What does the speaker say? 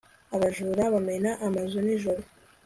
abajura bamena amazu nijoro